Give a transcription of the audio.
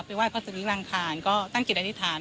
ไปว่ายพระศรีร่างฐานก็ตั้งจิตอธิษฐาน